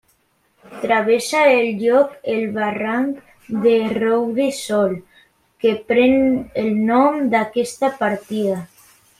Travessa el lloc el barranc del Roure Sol, que pren el nom d'aquesta partida.